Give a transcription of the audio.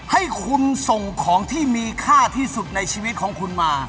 ให้คุณส่งของที่มีค่าที่สุดในชีวิตของคุณมา